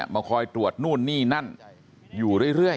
มาคอยตรวจนู่นนี่นั่นอยู่เรื่อย